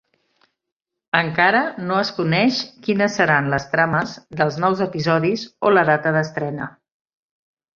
Encara no es coneix quines seran les trames dels nous episodis o la data d'estrena.